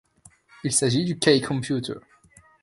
Il s'agit du K computer.